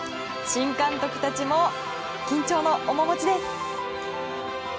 新監督たちも緊張の面持ちです。